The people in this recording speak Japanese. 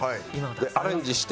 アレンジして。